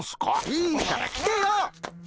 いいから来てよ！